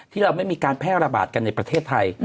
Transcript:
เราไม่มีการแพร่ระบาดกันในประเทศไทย